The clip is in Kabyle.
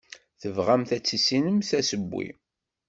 Tebɣamt ad tissinemt asewwi.